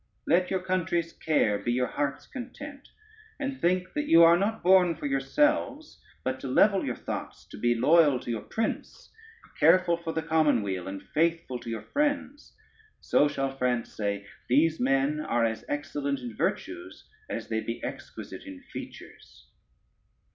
Let your country's care be your heart's content, and think that you are not born for yourselves, but to level your thoughts to be loyal to your prince, careful for the common weal, and faithful to your friends; so shall France say, 'These men are as excellent in virtues as they be exquisite in features.'